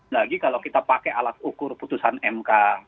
lagi kalau kita pakai alat ukur putusan mk